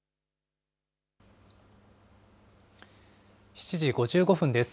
７時５５分です。